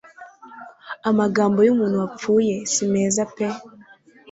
Amagambo y'umuntu wapfuye simeza pe